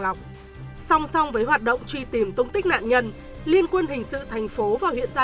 lọc song song với hoạt động truy tìm tung tích nạn nhân liên quân hình sự thành phố và huyện gia